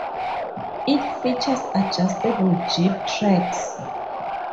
It features adjustable jib tracks.